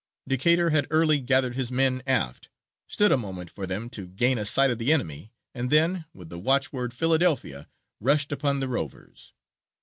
Decatur had early gathered his men aft, stood a moment for them to gain a sight of the enemy, and then, with the watchword "Philadelphia" rushed upon the rovers.